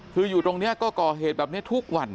คืออยู่ตรงนี้ก็ก่อเหตุแบบนี้ทุกวัน